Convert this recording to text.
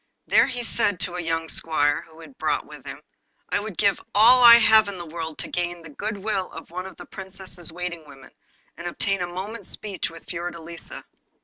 There he said to a young squire whom he had brought with him: 'I would give all I have in the world to gain the good will of one of the Princess's waiting women, and obtain a moment's speech with Fiordelisa.